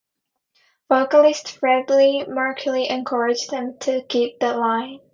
Vocalist Freddie Mercury encouraged him to keep the line.